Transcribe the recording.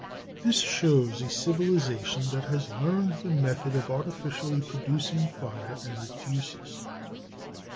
This shows a civilization that has learned the method of artificially producing fire, and its uses.